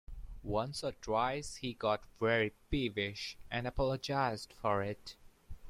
Once or twice he got very peevish, and apologised for it.